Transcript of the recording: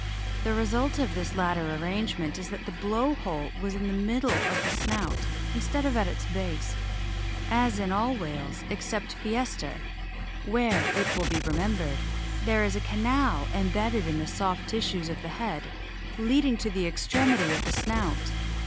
The result of this latter arrangement is that the blow hole was in the middle of the snout instead of at its base, as in all whales except Pkyseter, where, it will be remembered, there is a canal embedded in the soft tissues of the head leading to the extremity of the snout.